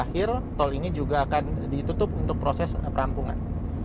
akhir tol ini juga akan ditutup untuk proses perampungan